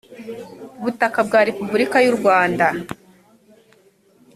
butaka bwa repubulika y u rwanda